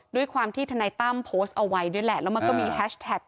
ด้วยความที่ทนายตั้มโพสต์เอาไว้ด้วยแหละแล้วมันก็มีแฮชแท็ก